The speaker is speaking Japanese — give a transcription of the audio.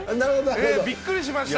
びっくりしました。